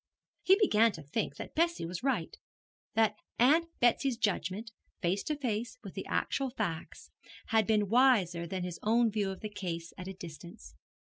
He began to think that Bessie was right, that Aunt Betsy's judgment, face to face with the actual facts, had been wiser than his own view of the case at a distance.